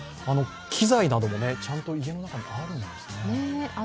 機材なども、ちゃんと家の中にあるんですね。